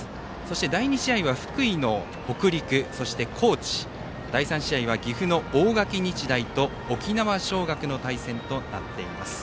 第２試合は福井の北陸そして高知第３試合は岐阜の大垣日大と沖縄尚学の対戦となっています。